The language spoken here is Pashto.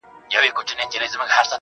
• چي ستا له سونډو نه خندا وړي څوك.